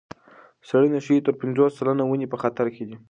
څېړنې ښيي تر پنځوس سلنه ونې په خطر کې دي.